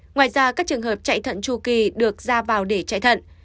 ngoài ra các trường hợp chạy thận tru kỳ được ra vào để chạy thận